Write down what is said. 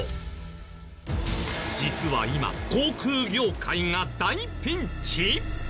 実は今航空業界が大ピンチ！？